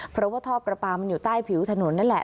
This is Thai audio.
เพราะว่าท่อประปามันอยู่ใต้ผิวถนนนั่นแหละ